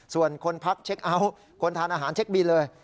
ส่วนคนพักเช็คเอาท์คนทานอาหารเช็คบินเลย